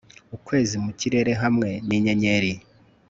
Ukwezi mu kirere hamwe ninyenyeri